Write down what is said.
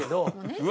うわ！